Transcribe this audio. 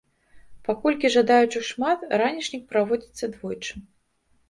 Паколькі жадаючых шмат, ранішнік праводзіцца двойчы.